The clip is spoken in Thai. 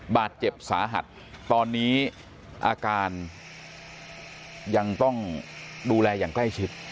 บาดเจ็บสาหัสตอนนี้อาการยังต้องดูแลอย่างใกล้ชิด